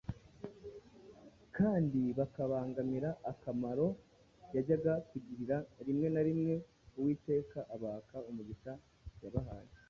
kandi bakabangamira akamaro yajyaga kugira, rimwe na rimwe Uwiteka abaka umugisha yabahaye.